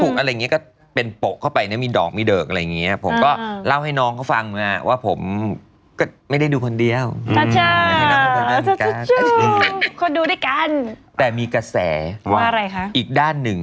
เวียเขาบอกว่าเคยเห็นแฟนคลับแท็กเข้ามา